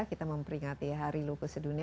kita memperingati hari lupus sedunia